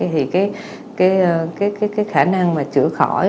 thì cái khả năng mà chữa khỏi